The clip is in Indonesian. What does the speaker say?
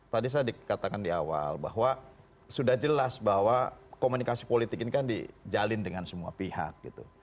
tadi saya dikatakan di awal bahwa sudah jelas bahwa komunikasi politik ini kan dijalin dengan semua pihak gitu